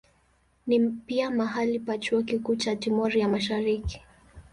Ni pia mahali pa chuo kikuu cha Timor ya Mashariki.